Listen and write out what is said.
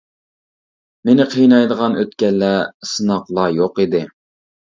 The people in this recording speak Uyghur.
مېنى قىينايدىغان ئۆتكەللەر سىناقلار يوق ئىدى.